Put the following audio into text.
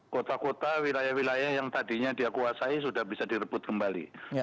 kota kota wilayah wilayah yang tadinya dia kuasai sudah bisa direbut kembali